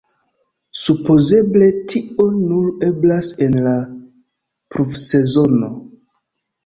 Supozeble tio nur eblas en la pluvsezono.